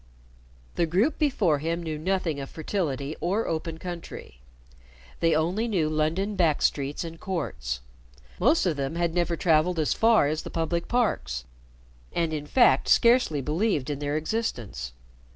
The group before him knew nothing of fertility or open country. They only knew London back streets and courts. Most of them had never traveled as far as the public parks, and in fact scarcely believed in their existence.